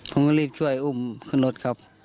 ผมรีบช่วยอุ้มรถครับ